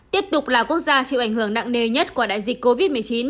tiếp tục là quốc gia chịu ảnh hưởng nặng nề nhất của đại dịch covid một mươi chín